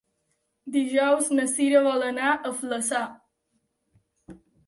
Dijous na Sira vol anar a Flaçà.